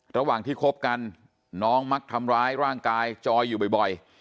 ระหว่างที่คบกันน้องมักทำร้ายร่างกายจอยอยู่บ่อย